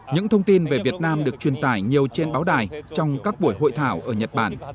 những thông tin về việt nam được truyền tải nhiều trên báo đài trong các buổi hội thảo ở nhật bản